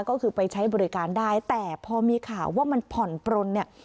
ก็คือไปใช้บริการได้แต่พอมีข่าวว่ามันผ่อนปลนเนี่ย